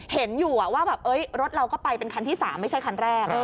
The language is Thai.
เห็นอยู่ว่าแบบรถเราก็ไปเป็นคันที่๓ไม่ใช่คันแรก